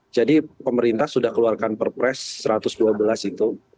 jadi pemerintah sudah keluarkan perpres satu ratus dua belas itu